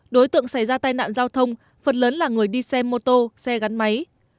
đối tượng xảy ra tai nạn giao thông phần lớn là người đi xe mô tô xe gắn máy